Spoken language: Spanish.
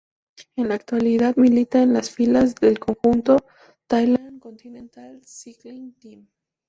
En la actualidad milita en las filas del conjunto Thailand Continental Cycling Team.